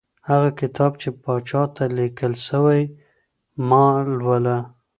هغه کتاب چي پاچا ته لیکل سوی مه لوله.